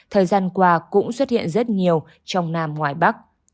thời gian qua cũng xuất hiện rất nhiều trong nam ngoài bắc